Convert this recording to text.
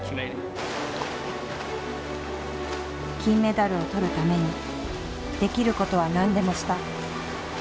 金メダルをとるためにできることは何でもした。